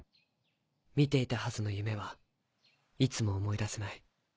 見ていたはずの夢はいつも思い出せない。